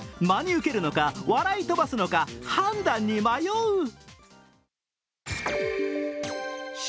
真に受けるのか、笑い飛ばすのか判断に迷う。